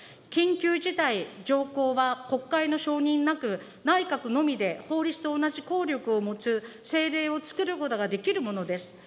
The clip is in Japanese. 緊急事態条項は国会の承認なく、内閣のみで法律と同じ効力を持つ政令をつくることができるものです。